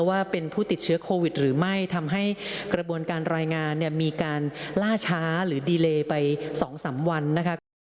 ว่าเป็นผู้ติดเชื้อโควิดหรือไม่ทำให้กระบวนการรายงานเนี่ยมีการล่าช้าหรือดีเลไป๒๓วันนะคะ